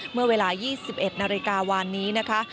เมื่อเวลา๒๑นาฬิกาวานนี้นะคะ